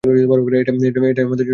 এটাই আমাদের জন্য বেস্ট অপশন।